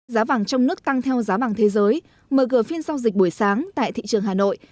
giá vàng trong nước tăng theo giá vàng thế giới mở cửa phiên giao dịch buổi sáng tại thị trường hà nội